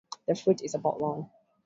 The fruit is about long.